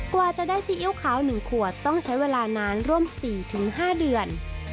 กว่าจะได้ซีอิ๊วขาว๑ขวดต้องใช้เวลานานร่วม๔๕เดือน